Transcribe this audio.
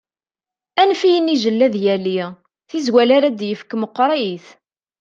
Anef i yinijjel ad yali, tirwal ar ad yefk meqqeṛit.